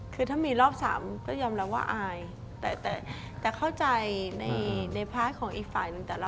คือถ้ามีรอบ๓ก็ยอมรับว่าอายแต่เข้าใจในพาร์ทของอีกฝ่ายหนึ่ง